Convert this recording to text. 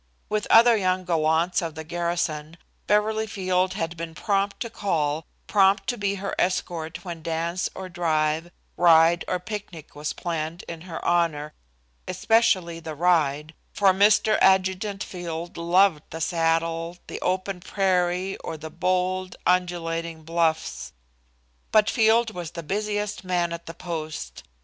With other young gallants of the garrison, Beverly Field had been prompt to call, prompt to be her escort when dance or drive, ride or picnic was planned in her honor, especially the ride, for Mr. Adjutant Field loved the saddle, the open prairie or the bold, undulating bluffs. But Field was the busiest man at the post.